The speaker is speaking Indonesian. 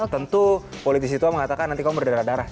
tentu politisi tua mengatakan nanti kamu berdarah darah